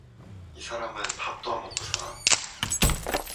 이 사람은 밥도 안 먹고 사나?